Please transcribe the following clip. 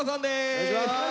お願いします。